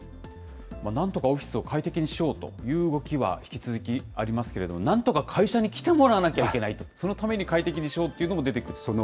なんとかオフィスを快適にしようという動きは引き続きありますけれども、なんとか会社に来てもらわなきゃいけないと、そのために快適にしようというのも出てくると。